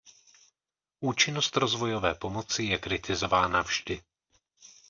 Účinnost rozvojové pomoci je kritizována vždy.